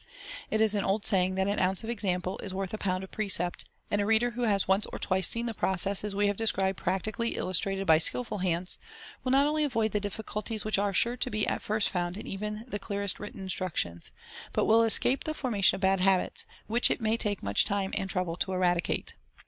It is an old saying that an ounce of example is worth a pound of precept, and a reader who has once or twice seen the processes we have described practi cally illustrated by skilful hands, will not only avoid the diffi culties which are sure to be at first found in even the clearest written instructions, but will escape the formation of bad habits, which it may take much time and trouble to eradicate.